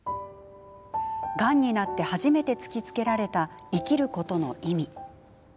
がんになって初めて突きつけられた生きることの意味。